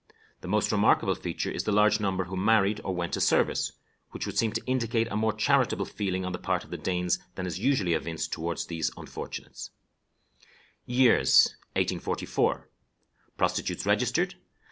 The most remarkable feature is the large number who married or went to service, which would seem to indicate a more charitable feeling on the part of the Danes than is usually evinced toward these unfortunates: +|| Prostitutes registered.